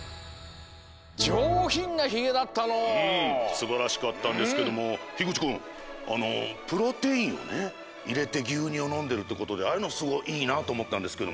うんすばらしかったんですけどもひぐち君あのプロテインをいれてぎゅうにゅうをのんでるってことでああいうのすごいいいなとおもったんですけども。